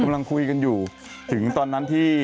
กำลังคุยกันอยู่ถึงตอนนั้นที่